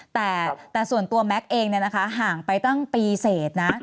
แต่ส่วนตัวแม็กซ์เองเนี่ยนะคะห่างไปตั้งปีเศษนะ